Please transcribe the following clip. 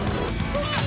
うわっ！